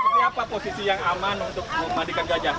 seperti apa posisi yang aman untuk memandikan gajah